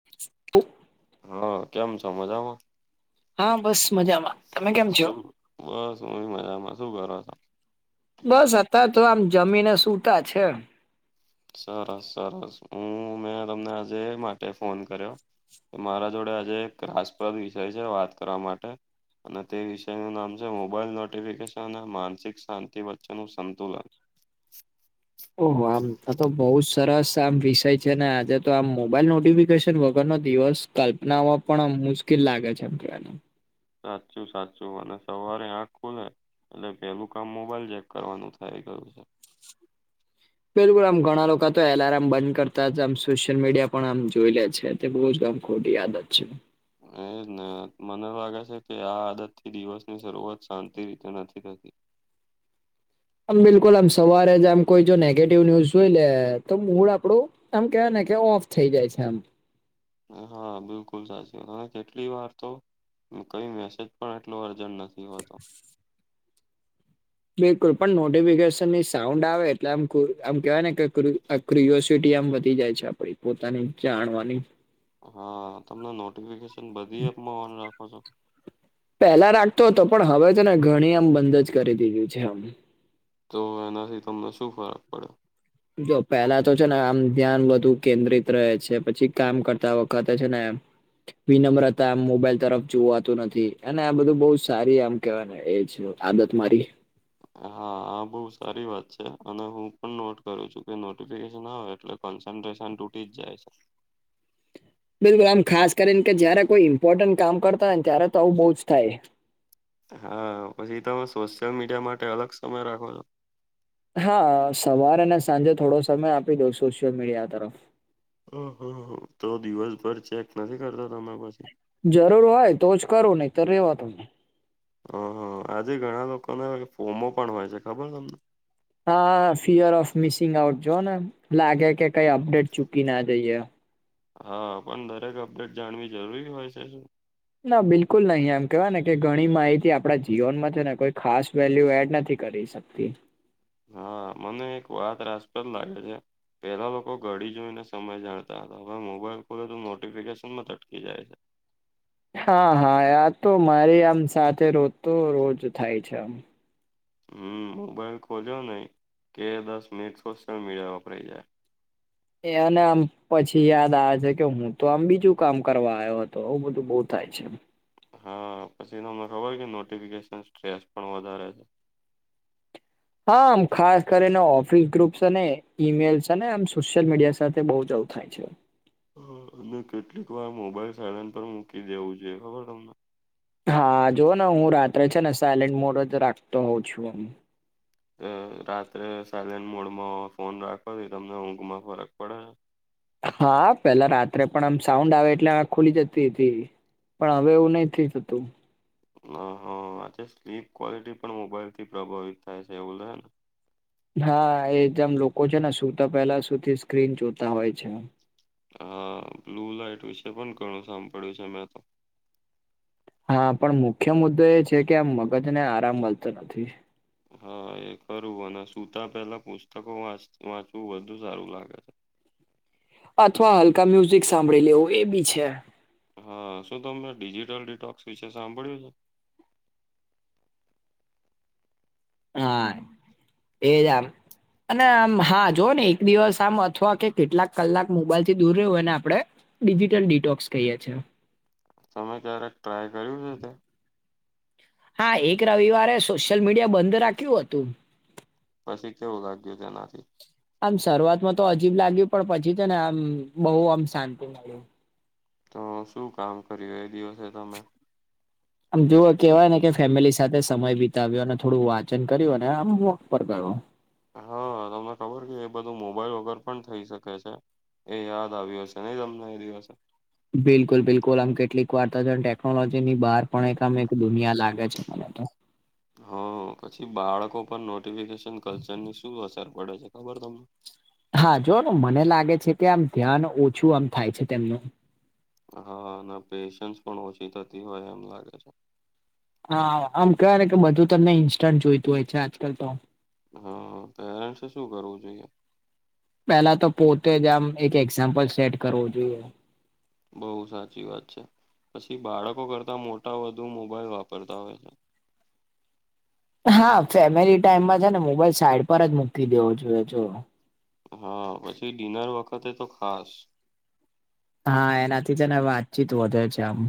[inaudible] હા કેમ છો મજામાં? હા બસ મજામાં. તમે કેમ છો? શું બસ અમે મજામાં. શું કરો છો? બસ અતાર તો આમ જમીને સૂતા છે. સરસ સરસ. હું મેં તમને આજે એ માટે ફોન કર્યો કે મારા જોડે આજે એક રાસપ્રદ વિષય છે વાત કરવા માટે. અને તે વિષયનું નામ છે મોબાઈલ નોટિફિકેશન અને માનસિક શાંતિ વચ્ચેનું સંતુલન. ઓહો! આમ આતો બહુ જ સરસ આમ વિષય છે ને આજે તો આમ મોબાઈલ નોટિફિકેશન વગરનો દિવસ કલ્પનાઓ પણ મુશ્કેલ લાગે છે એમ કહીએ તો. સાચું સાચું અને સવારે આંખ ખુલે અને પેલું કામ મોબાઈલ ચેક કરવાનું થાઈ ગયું છે. બિલકુલ આમ ઘણા લોકા તો એલાર્મ બંધ કરતા જ આમ સોશિયલ મીડિયા પણ આમ જોઈ લે છે. તે બહુ જ આમ ખોટી આદત છે. હા એજ ને. મને લાગે છે કે આ આદત થી દિવસ ની શરૂઆત શાંતિ રીતે નથી થતી આમ બિલકુલ આમ સવારે જ આમ કોઈ જો નેગેટિવ ન્યુઝ જોઈ લે તો મૂળ આપડું આમ કેવાય ને કે ઓફ થઇ જાય છે આમ હા બિલકુલ સાચી કેટલી વાર તો કઈ મેસેજ પણ એટલો અર્જન્ટ નથી નહીં હો તો બિલકુલ પણ નોટિફિકેશનની સાઉન્ડ આવે એટલે આમ આમ કેહેવાય ને કે ક્રિઓસિટી આમ વધી જાય છે આપડી પોતાની જાણવાની હા તમને નોટિફિકેશન બધી એપ મા રાખો છો પહેલા રાખતો હતો પણ હવે તો ને ઘણી આમ બંધ જ કરી દીધું છે આમ તો એનાથી તમને શું ફરક પડ્યો જો પહેલા તો છે ને આમ ધ્યાન બધું કેન્દ્રિત રહે છે પછી કામ કરતા વખતે છે ને એમ વિનમ્રતા આમ મોબાઈલ તરફ જોવાતું નથી અને આ બધું બહું સારી આમ કહેવાય ને એજ આદત મારી હા આ બઉ સારી વાત છે અને હું પણ નોટ કરું છું કે નોટિફિકેશન આવે એટલે કોન્સન્ટ્રેશન તૂટી જ જાય છે. બિલકુલ આમ ખાસ કરીને કે જયારે કોઈ ઈમ્પોર્ટન્ટ કામ કરતા હોય ને ત્યારે તો આવું બહુ જ થાય હા પછી તમે સોશિયલ મીડિયા માટે અલગ સમય રાખો છો હા સવારે ને સાંજે થોડો સમય આપી દઉ સોશિયલ મીડિયા તરફ ઓહ હો તો દિવસભર ચેક નથી કરતા તમે પછી જરૂર હોય તો જ કરું નહી તો રેવા તમને હ હા આજે ઘણા લોકોને ફોમો પણ હોય છે ખબર તમને હા ફિયર ઓફ મિસિંગ આઉટ જોઓ ને લાગે કે કઈ અપડેટ ચૂકી ના જઈએ હા પણ દરેક અપડેટ જાણવી જરૂરી હોય છે શું ના બિલકુલ નહી એમ કેવાય ને કે ઘણી માહિતી આપડા જીવનમાં છે ને કોઈ ખાસ વેલ્યુ એડ નથી કરીશ શકતી હા મને એક વાત રાજપ્રદ લાગે છે. પેલા લોકો ઘડી જોઈને સમય જાણતા હતા હવે મોબાઈલ ખોલે તો નોટિફિકેશન માં અટકી જાય છે. હા હા આ તો મારી આમ સાથે રોજ તો રોજ થાય છે આમ હમ મોબાઈલ ખોલ્યો નહી કે દસ મિનિટ સોશિયલ મીડિયા વપરાઈ જાય એ અને આમ પછી યાદ આવે છે કે હું તો આમ બીજું કામ કરવા આવ્યો હતો આવું બધું બહુ થાય છે. હા પછી તમને ખબર હો કે નોટિફિકેશન સ્ટ્રેસ પણ વધારે છે. હા આમ ખાસ કરીને ઓફિસ ગ્રુપ્સ અને ઈમેલ્સ અને આમ સોશિયલ મીડિયા સાથે બહું જ થાય છે. અને કેટલીક વાર મોબાઈલ સાયલેન્ટ પર મૂકી દેવું છે ખબર તમને હા જોવ ને હું રાત્રે છે ને સાયલેન્ટ મોડ જ રાખતો હોઉં છું. રાત્રે સાયલેન્ટ મોડમાં ફોન રાખવાથી તમને ઊંઘમાં ફરક પડે હા પેલા રાત્રે પણ આમ સાઉન્ડ આવે એટલે ખુલી જતી હતી પણ હવે એવું નહી થતું હ હા આજે સ્લીપ ક્વોલિટી પણ મોબાઈલ થી પ્રભાવિત થાય છે એવું લે ને હા એ જેમ લોકો છે ને સુુંતા પેલા સુતી સ્ક્રીન જોતા હોય છે. હા બ્લુ લાઈટ વિશે પણ ઘણું સાંભળ્યું છે મેં તો હા પણ મુખ્ય મુદ્દો એ છે કે આ મગજ ને આરામ મળતો નથી હા એ કરું અને સુતા પેલા પુસ્તકો વાંચવું વધુ સારું લાગે છે. અથવા હલકા મ્યુઝિક સાંભળી લેવું એ બી છે. હા શું તમને ડિજિટલ ડિટોક્સ વિશે સાંભળ્યું છે. હા એજ અને આમ હા જોઓ ને એક દિવસ આમ અથવા કે કેટલાક કલાક મોબાઈલ થી દૂર રહ્યુંને આપડે ડિજિટલ ડિટોક્સ કહીએ છીએ તમે ક્યારેક ટ્રાય કર્યું છે તે હા એક રવિવારે સોશિયલ મીડિયા બંધ રાખ્યું હતું પછી કેવું લાગ્યું તેનાથી આમ શરૂઆતમાં તો હજીબ લાગ્યું પણ પછી છે ને આમ બહુ આમ શાંતિ મળ્યું તો શું કામ કર્યું એ દિવસે તમે આમ જો કહેવાય ને કે ફેમિલી સાથે સમય બિતાવ્યો થોડું વાંચન કર્યું ને આમ વક પર કરો હા તમને ખબર કે એ બધું મોબાઈલ વગર પણ થઇ શકે છે એ યાદ આવ્યું હશે નહી તમને એ દિવસે બિલકુલ બિલકુલ આમ કેટલીક વાર્તા છે ટેકનોલોજી ની બહાર પણ એક આમ એક દુનિયા લાગે છે મને તો હા પછી બાળકો પર નોટિફિકેશન કલ્ચરની શું અસર પડે છે ખબર તમને હા જો મને લાગે છે કે આમ ધ્યાન ઓછું આમ થાય છે તેમનું હા અને પેશન્સ પણ ઓછી થતી હોય એમ લાગે છે હા આમ કહેવાય ને કે બધું તમને ઇન્સ્ટન્ટ જોઈતું હોય છે આજકાલ તો હા પેરેન્ટ્સે શું કરવું જોઈએ પેલા તો પોતે જ આમ એક એક્ઝામ્પલ સેટ કરવો જોઈએ બહુ સાચી વાત છે પછી બાળકો કરતાં મોટા બુ મોબાઈલ વાપરતા હોય છે હા ફેમિલી ટાઈમમાં છે ને મોબાઈલ સાઈડ પર જ મકીલી દેવો જોઈએ જો હા પછી ડિનર વખતે તો ખાસ હા એનાથી તને વાતચીત વધે છે આમ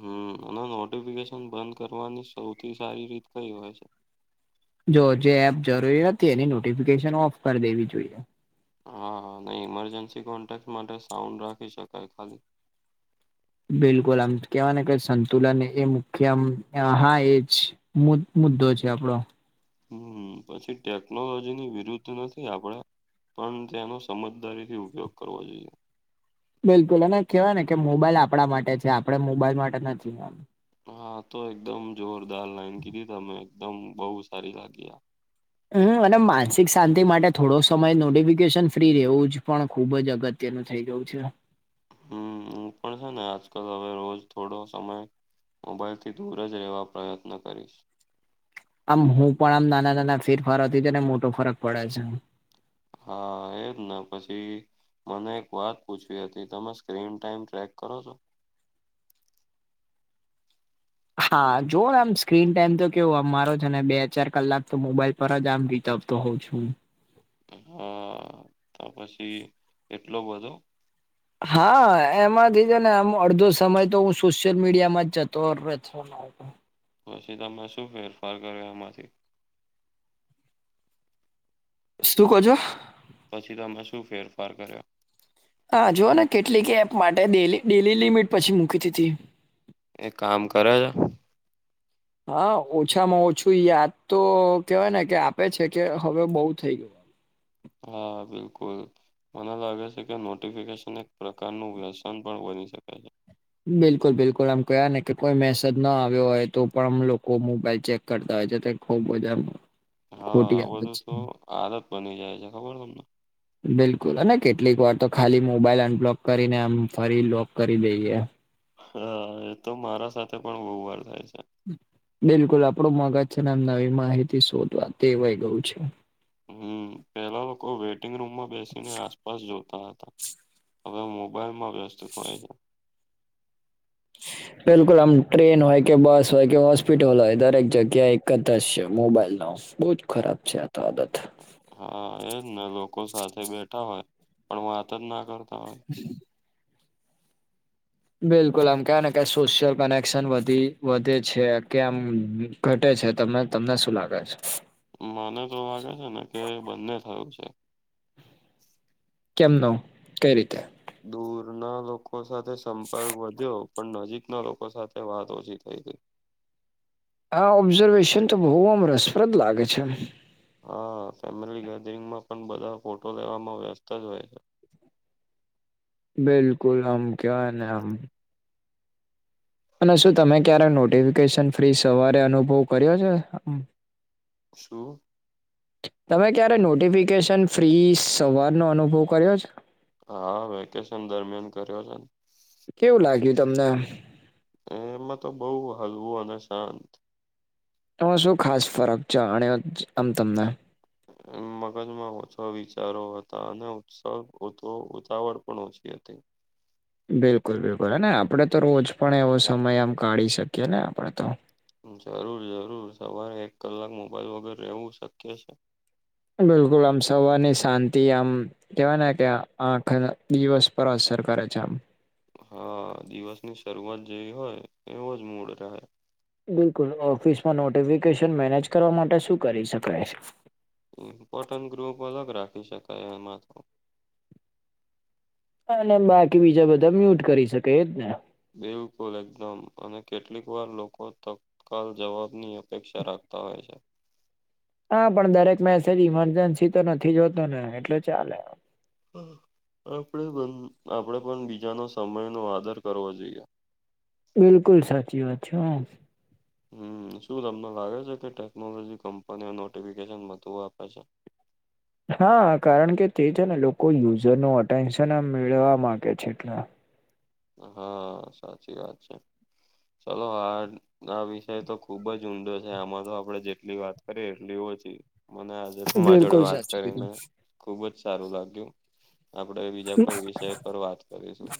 હમ અને નોટિફિકેશન બંધ કરવાની સૌથી સારી રીત કઈ હોય છે જો જે એપ જરૂરી હતી એની નોટિફિકેશન ઓફ કરી દેવી જોઈએ હાા ન ઇમરજન્સી કોન્ટેક્ટ માટે સાઉન્ડ રાખી શકાય ખાલી બિલકુલ આમ કેવા કે સંતુલન એ મુખ્યમ હા એ જ મુ મુદ્દો છે આપડો હમ પછી ટેકનોલોજી ની વિરુદ્ધ નથી આપડ પણ તેનો સમજદારી થી ઉપયોગ કરવો જોઈએ બિલકુલ અને કેહેવાય ને કે મોબાઈલ આપણા માટે છે આપડણે મોબાઈલ માટે નથી હા તો એકદમ જોરદાર લાઈન કીધી તમે એકદમ બહુ સારી લાગી આ હમ અને માનસિક શાંતિ માટે થોડો સમય નોટિફિકેશન ફ્રી રહેવું જ પણ ખૂબ જ અગત્ય કેન થઈ જઉ છે હમ પણ છે ને આજકાલ હવે રોજ થોડો સમય મોબાઈલથી દૂર જ રહેવા પ્રયત્ન કરીશ આમ હું પણ આમ નાના નાના ફેરફારોથી તો ને મોટો ફરક પડે છે હા એજ ને પછી મને એક વાત પૂછવી હતી તમે સ્ક્રીન ટાઈમ ટ્રેક કરો છો હા જોને આમ સ્ક્રીન ટાઈમ તો કેવું અમારો જને બે ચાર કલાક તો મોબાઈલ પર જ આમ રીત આપતો હોઉ છું હા તો પછી એટલો બધો હા એમાંથી છે ને આમ અડધો સમય તો હું સોશિયલ મીડિયા માં જતો હો જ હ પછી તમે શું ફેરફાર કર્યો એમાંથી શું ક છો પછી તમે શું ફેરફાર કર્યો હા જુઓ ને કેટલીક એપ માટે ડે ડેલી લિમિટ પછી મૂકી તી હતીી એક કામ કરે છે હા ઓછામાં ઓછું યાદ તો કેવાય ને કે આપે છે કે હવે બઉુ થઈ ગયું હા બિલકુલ મને લાગે છે કે નોટિફિકેશન એક પ્રકારનું વ્યસન પણ બની શકે છે બિલકુલ બિલકુલ આમ કવા ને કે કોઈ મેસેજ ન આવ્યો હોય તો પણમ લોકો મોબાઈલ ચેક કરતા હોય છે ત ખુબ મધા હા બધું તો હાલત બની જાય છે ખબર તમને બિલકુલ અને કેટલીક વાર તો ખાલી મોબાઈલ અનબ્લોક કરીને આમ ફરી લોક કરી દઈએ હ એ તો મારા સાથે પણ બહુ વાર થાય છે. બિલકુલ આપડું મગજ છેનેમ નવી માહિતી શોધવા તેવાય ગયું છે. હમ પેલા લોકો વેઇટિંગ રૂમમાં બેસીને આસપાસ જોતા હતા. હવે મોબાઈલમાં વ્યસ્થિત હોય છે. હ [unintelligible] બિલકુલ આમ ટ્રેન હોય કે બસ હોય કે હોસ્પિટલ હોય દરેક જગ્યા એક જ જ છે મોબાઈલ નો બહુ જ ખરાબ છે આ તો આદત હા એજ ને લોકો સાથે બેઠા હોય પણ વાત જ ના કરતા હોય. હ [inaudible] બિલકુલ આમ ક ને ક સોશિયલ કનેક્શન વધી વધે છે કે આમ ઘટે છે તમે તમને શું લાગે છે. મને તો લાગે છે ને કે બંને થયું છે. કેમનો કઈ રીતે. દૂર ના લોકો સાથે સંપર્ક વધ જો પણ નજીક ના લોકો સાથે વાત ઓછી થઈ હતીઈ. આ ઓબ્ઝર્વેશન તો બહુ આમ રસપ્રદ લાગે છે. હા ફેમિલી ગેધરિંગમાં પણ બધા ફોટો લેવામાં વ્યસ્ત જ હોય છે. બિલકુલ આમ ક્યાને આમ અને શું તમે ક્યારેક નોટિફિકેશન ફ્રી સવારે અનુભવ કર્યો છે. શું. તમે ક્યારે નોટિફિકેશન ફ્રી સવારનો અનુભવ કર્યો છે. હા વેકેશન દરમિયાન કર્યો છે. કેવું લાગ્યું તમને એમાં તો બઉુ હલવું અને શાંત એમાં શું ખાસ ફરક છે આમ તમને આમ મગજમાં ઓછા વિચારો હતા અને ઉત્સવ ઉતાવળ પણ ઓછી હતી. બિલકુલ બિલકુલ અને આપડે તો રોજ પણ એવો સમય આમ કાઢી શકીએ ને આપડે તો જરૂર જરૂર સવારે એક કલાક મોબાઈલ વગર રહેવું શક્ય છે. બિલકુલ આમ સવારની શાંતિ આમ કેવા કે આખા દિવસ પર અસર કરે છે આમ. હા દિવસ ની શરૂઆત જેવી હોય એવો જ મૂળ રહે. બિલકુલ ઓફિસમાં નોટિફિકેશન મેનેજ કરવા માટે શું કરી શકાય. ઇમ્પોર્ટન્ટ ગ્રુપ અલગ રાખી શકાય એમાં તો અને બાકી બીજા બધા મ્યુટ કરી શકે એજ ને બિલકુલ એકદમ અને કેટલીક વાર લોકો તત્કાલ જવાબની અપેક્ષા રાખતા હોય છે. હા પણ દરેક મેસેજ ઈમરજન્સી તો નથી જો હોતો ને એટલે ચાલે હા આપણે પણ આપણેે પણ બીજાનો સમય નો આદર કરવો જોઈએ. બિલકુલ સાચી વાત છે હા. હમ શું તમને લાગે છે કે ટેકનોલોજી કંપનીઓ નોટિફિકેશન વધું આપે છે. હા કારણ કે તે છે ને લોકો યુઝર ન અટેન્શન આમ મેળવા માંગે છે એટલા હા સાચી વાત છે. ચલો આ આ વિષય તો ખુબ જ ઊંડો છે આમાં તો આપડે જેટલી વાત કરીએ એટલી ઓછી મને આજે તુંમા જોડે બિલકુલ વાત સાચું કીધું કરીને. ખુબ જ સારું લાગ્યું આપણેે બીજા કોઈ વિષય પર વાત કરીશું.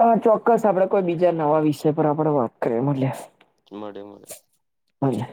હા ચોક્કસ આપડે કોઈ બીજા નવા વિષય પર આપણે વાપ કરીએ મલે મળે મળે હું છે.